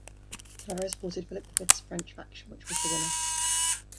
Talavera supported Philip the Fifth's French faction, which was the winner.